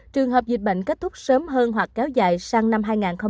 trường hợp dịch bệnh kết thúc sớm hơn hoặc kéo dài sang năm hai nghìn hai mươi